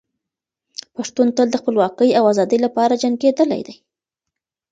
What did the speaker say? پښتون تل د خپلواکۍ او ازادۍ لپاره جنګېدلی دی.